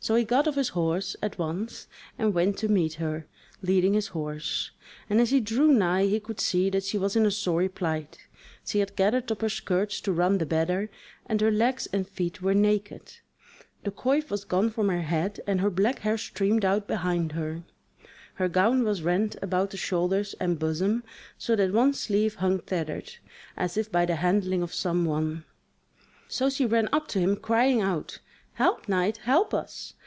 So he gat off his horse at once and went to meet her, leading his horse; and as he drew nigh he could see that she was in a sorry plight; she had gathered up her skirts to run the better, and her legs and feet were naked: the coif was gone from her head and her black hair streamed out behind her: her gown was rent about the shoulders and bosom, so that one sleeve hung tattered, as if by the handling of some one. So she ran up to him crying out: "Help, knight, help us!"